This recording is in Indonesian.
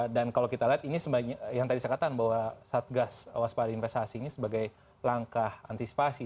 dan kalau kita lihat ini yang tadi saya katakan bahwa satgas waspada investasi ini sebagai langkah antisipasi